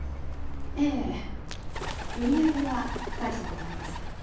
ええ売上は大したことありません